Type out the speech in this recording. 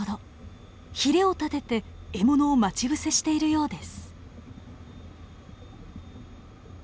ヒレを立てて獲物を待ち伏せしているようです。